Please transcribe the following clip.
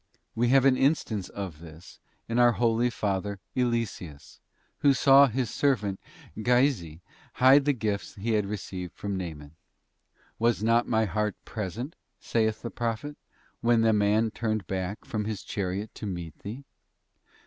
We have an instance of this in our —— holy Father Eliseus, who saw his servant Giezi hide the gifts 'Infused 'knowledge of Eliseus. he had received from Naaman. ' Was not my heart present,' saith the Prophet, ' when the man turned back from his chariot to meet thee?